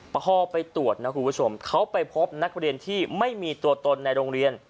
พอไปตรวจนะคุณผู้ชมเขาไปพบนักเรียนที่ไม่มีตัวตนในโรงเรียน